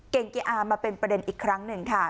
เก่งเกียอลมาเป็นประเด็นอีกครั้งนึงค่ะ